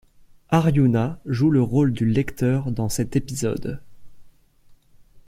Arjuna joue le rôle du lecteur dans cet épisode.